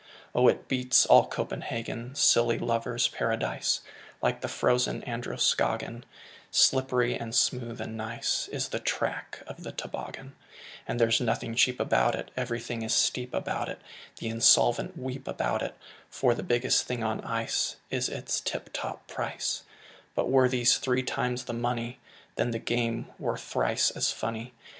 Oh, it beats all "Copenhagen," Silly lovers' paradise! Like the frozen Androscoggin, Slippery, and smooth, and nice, Is the track of the toboggan; And there's nothing cheap about it, Everything is steep about it, The insolvent weep about it, For the biggest thing on ice Is its tip top price; But were this three times the money, Then the game were thrice as funny.